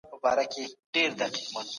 ما د پښتو ژبي یو نوی لغت لیکي